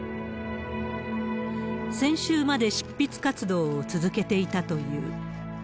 先週まで執筆活動を続けていたという。